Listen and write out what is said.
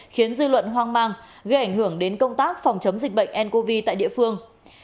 khiến dư luận hoang mang gây ảnh hưởng đến công tác phòng chống dịch bệnh ncov tại địa phương